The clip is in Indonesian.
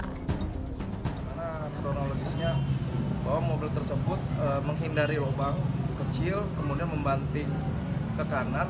karena kronologisnya bahwa mobil tersebut menghindari lubang kecil kemudian membanting ke kanan